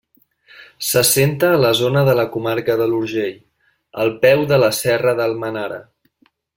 S'assenta a la zona de la comarca de l’Urgell, al peu de la Serra d'Almenara.